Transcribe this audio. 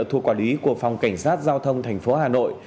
thuộc quản lý của phòng cảnh sát giao thông tp hà nội